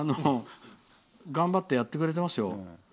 頑張ってやってくれてますよ。